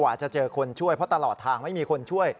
อาจจะเจอคนช่วยเพราะตลอดทางไม่มีคนช่วย